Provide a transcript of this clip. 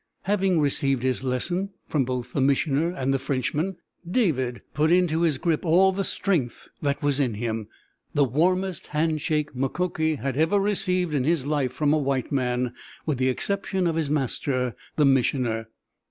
Having received his lesson from both the Missioner and the Frenchman, David put into his grip all the strength that was in him the warmest hand shake Mukoki had ever received in his life from a white man, with the exception of his master, the Missioner.